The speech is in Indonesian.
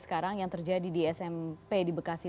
sekarang yang terjadi di smp di bekasi